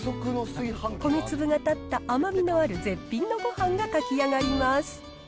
米粒が立った甘みのある絶品のごはんが炊き上がります。